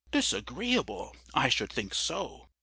"Disagreeable! I should think so!